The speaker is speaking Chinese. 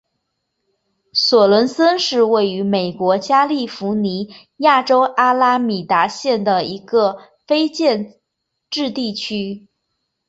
索伦森是位于美国加利福尼亚州阿拉米达县的一个非建制地区。